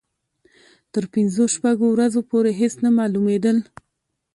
تر پنځو شپږو ورځو پورې هېڅ نه معلومېدل.